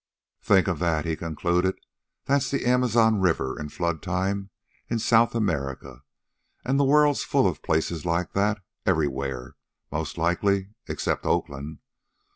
"Think of that!" he concluded. "That's the Amazon river in flood time in South America. And the world's full of places like that everywhere, most likely, except Oakland.